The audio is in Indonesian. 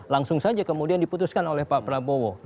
langsung saja kemudian diputuskan oleh pak prabowo